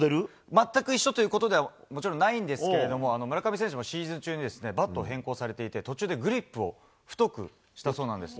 全く一緒ということでは、もちろんないんですけれども、村上選手もシーズン中にバットを変更されていて、途中でグリップを太くしたそうなんです。